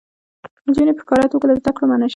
نجونې په ښکاره توګه له زده کړو منع شوې دي.